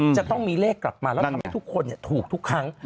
จะต้องมีเลขกลับมาแล้วทำให้ทุกคนถูกทุกครั้ง